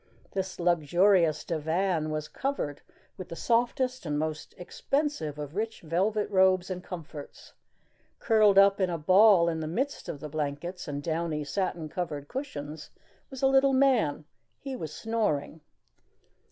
This luxurious divan was covered with the softest and most expensive of rich velvet robes and comforts. Curled up in a ball in the midst of the blankets and downy, satin covered cushions was a little man. He was snoring.